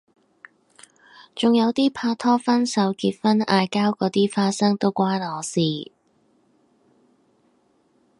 仲有啲拍拖分手結婚嗌交嗰啲花生都關我事